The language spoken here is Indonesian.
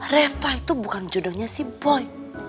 reva itu bukan judulnya si boy